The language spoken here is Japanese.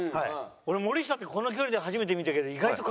俺森下ってこの距離で初めて見たけど。